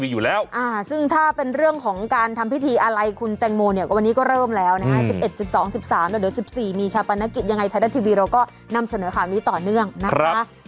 ยังไงไทยด้านทีวีเราก็นำเสนอข่าวนี้ต่อเนื่องนะคะครับ